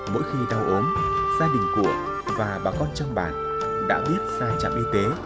mỗi khi đau ốm gia đình của và bà con trong bản đã biết sai trạm y tế